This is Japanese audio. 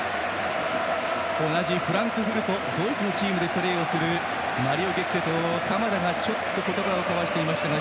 同じフランクフルトドイツのチームでプレーをするマリオ・ゲッツェと鎌田がちょっと言葉を交わしていましたが。